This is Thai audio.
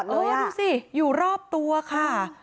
ดูสิอยู่รอบตัวค่ะ